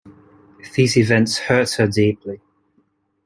These events hurt her deeply.